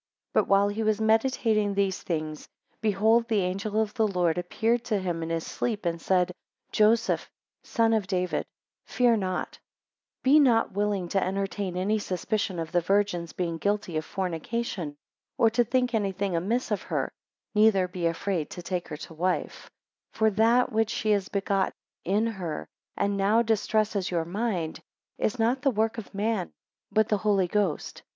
8 But while he was meditating these things, behold the angel of the Lord appeared to him in his sleep, and said, Joseph, son of David, fear not; 9 Be not willing to entertain any suspicion of the Virgin's being guilty of fornication, or to think any thing amiss of her, neither be afraid to take her to wife: 10 For that which is begotten in her and now distresses your mind, is not the work of man, but the Holy Ghost.